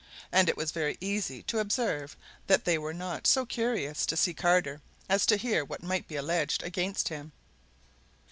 And it was very easy to observe that they were not so curious to see Carter as to hear what might be alleged against him.